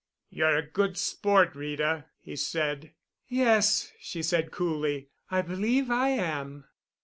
"You're a good sport, Rita," he said. "Yes," she said coolly, "I believe I am."